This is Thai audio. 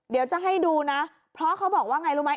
เดี๋ยวจะให้ดูนะเพราะเขาบอกว่าไงรู้ไหม